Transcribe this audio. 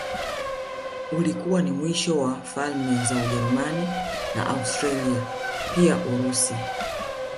Ulikuwa ni mwisho wa falme za Ujerumani na Austria pia Urusi